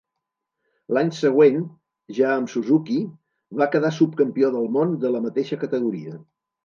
L'any següent, ja amb Suzuki, va quedar subcampió del món de la mateixa categoria.